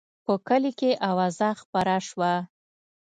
په کلي کې اوازه خپره شوه.